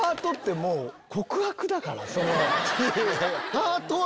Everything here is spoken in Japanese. ハートは。